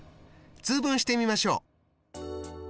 通分してみましょう。